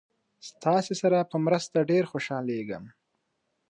ستاسې سره په مرسته ډېر خوشحالیږم.